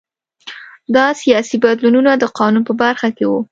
دا سیاسي بدلونونه د قانون په برخه کې وو